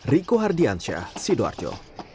riko hardiansyah sido arjo